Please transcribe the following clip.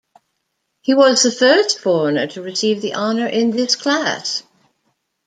He was the first foreigner to receive the honor in this class.